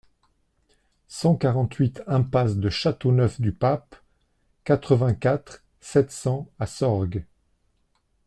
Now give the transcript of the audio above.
cent quarante-huit impasse de Châteauneuf-du-Pape, quatre-vingt-quatre, sept cents à Sorgues